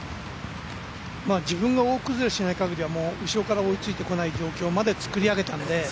自分が大崩れしないかぎりはもう後ろから追いついてこない状況までは作り上げたので。